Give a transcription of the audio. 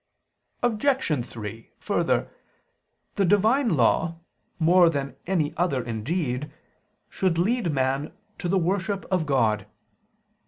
Obj. 3: Further, the Divine Law, more than any other indeed, should lead man to the worship of God.